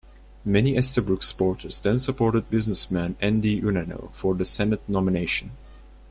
Many Estabrook supporters then supported businessman Andy Unanue for the Senate nomination.